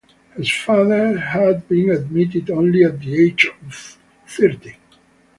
His father had been admitted only at the age of thirty.